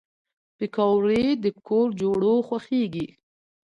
پکورې د کور جوړو خوښېږي